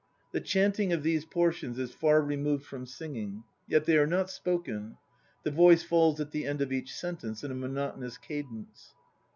The chanting of these portions is far removed from singing; yet they are not "spoken." The voice falls at the end of each sentence in a monotonous cadence.